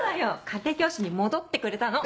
家庭教師に戻ってくれたの。